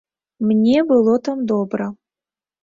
Мне было там добра.